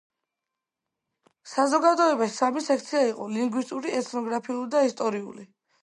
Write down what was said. საზოგადოებაში სამი სექცია იყო: ლინგვისტური, ეთნოგრაფიული და ისტორიული.